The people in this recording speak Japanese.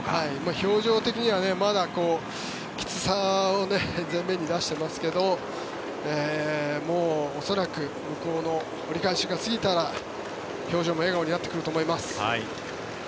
表情的には、まだきつさを前面に出していますけどもう恐らく向こうの折り返しが過ぎたら笑顔になってくると思います。